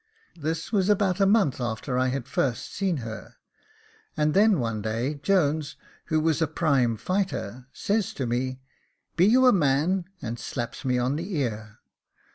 This was 'bout a month after I had first seen her ; and then one day Jones, who was a prime fighter, says to me, ' Be you a man ?' and slaps me on the ear.